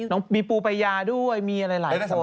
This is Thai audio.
อ่ะมีปูปะยาด้วยมีอะไรหลาย๑๕๐๐ศัตรู